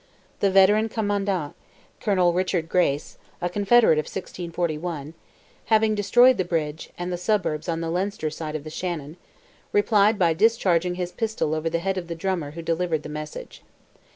The veteran commandant, Colonel Richard Grace, a Confederate of 1641, having destroyed the bridge, and the suburbs on the Leinster side of the Shannon, replied by discharging his pistol over the head of the drummer who delivered the message.